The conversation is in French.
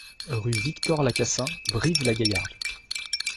Rue Victor Lacassin, Brive-la-Gaillarde